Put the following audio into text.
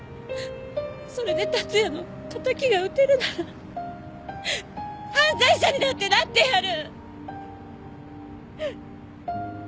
それで達也の敵が討てるなら犯罪者にだってなってやる！